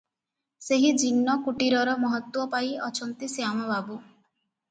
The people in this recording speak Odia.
ସେହି ଜୀର୍ଣ୍ଣ କୁଟୀରର ମହତ୍ତ୍ୱ ପାଇ ଅଛନ୍ତି ଶ୍ୟାମ ବାବୁ ।